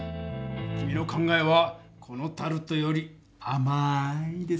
君の考えはこのタルトよりあまいですなぁ！